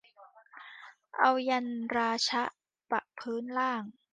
เอายันต์ราชะปะพื้นล่าง